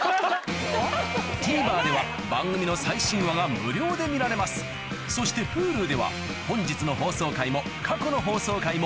ＴＶｅｒでは番組の最新話が無料で見られますそしてＨｕｌｕでは本日の放送回も過去の放送回もいつでもどこでも見られます